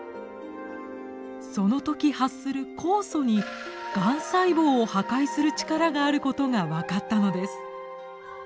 そのとき発する酵素にがん細胞を破壊する力があることが分かったのです。